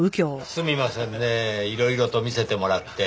すみませんねいろいろと見せてもらって。